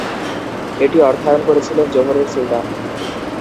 এটি অর্থায়ন করেছিলেন জোহরের সুলতান।